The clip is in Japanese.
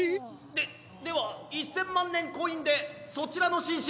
ででは１，０００まんねんコインでそちらのしんし